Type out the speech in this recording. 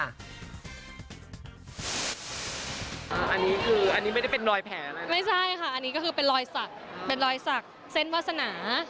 อันนี้ไม่ได้เป็นรอยแผลอะไรนะ